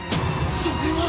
それは。